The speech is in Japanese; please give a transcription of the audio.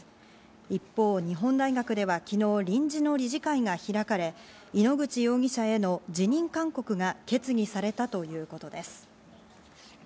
一方、日本大学では昨日、臨時の理事会が開かれ、井ノ口容疑者への辞任勧告が決議されたということです。